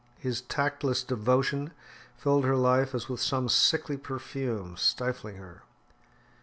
His tactless devotion filled her life as with some sickly perfume, stifling her.